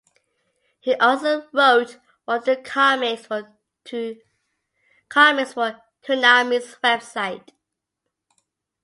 He also wrote one of the comics for Toonami's website.